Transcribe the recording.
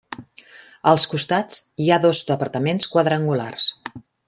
Als costats hi ha dos departaments quadrangulars.